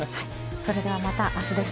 それではまたあすです。